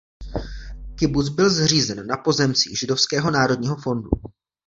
Kibuc byl zřízen na pozemcích Židovského národního fondu.